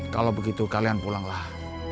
kalau begitu kalian pulanglah